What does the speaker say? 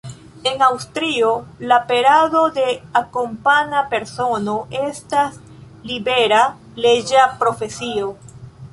En Aŭstrio, la perado de akompana persono estas libera, leĝa profesio.